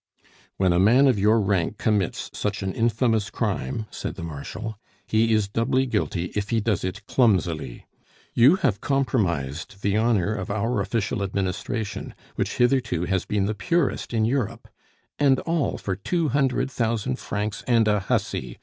"When a man of your rank commits such an infamous crime," said the Marshal, "he is doubly guilty if he does it clumsily. You have compromised the honor of our official administration, which hitherto has been the purest in Europe! And all for two hundred thousand francs and a hussy!"